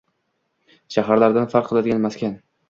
shaharlardan farq qiladigan maskan.